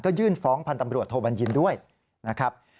ยื่นฟ้องพันธ์ตำรวจโทบัญญินด้วยนะครับ